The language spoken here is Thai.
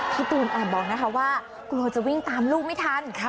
พี่ตูนแอบบอกนะคะว่ากลัวจะวิ่งตามลูกไม่ทัน